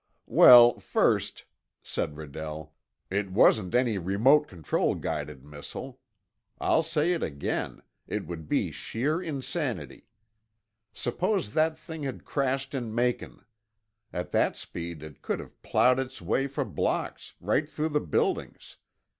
"Well, first," said Redell, "it wasn't any remote control guided missile. I'll say it again; it would be sheer insanity. Suppose that thing had crashed in Macon. At that speed it could have plowed its way for blocks, right through the buildings.